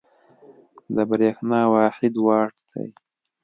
د برېښنا واحد وات دی.